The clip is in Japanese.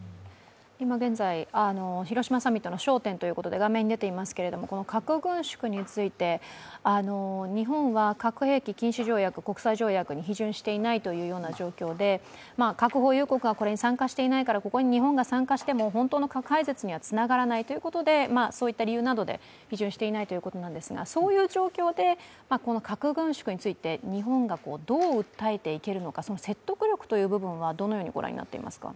今現在、広島サミットの焦点ということで画面に出ていますけれども、この核軍縮について、日本は核条約に批准していないというような状況で、核保有国がこれに参加していないから、ここに日本が参加しても本当の核廃絶につながらないということで、そういう状況で核軍縮について、日本がどう訴えていけるのかその説得力という部分はどのようにご覧になっていますか？